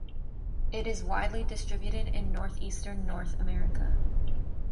It is widely distributed in northeastern North America.